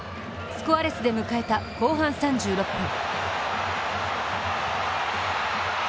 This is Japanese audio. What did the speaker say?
スコアレスで迎えた後半３６分。